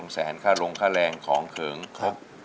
แสนค่าลงค่าแรงของเขิงครับ